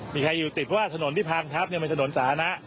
มีใครอยู่ติดเพราะว่าสนุนที่พางทัพเนี่ยมันสนุนสาหนะ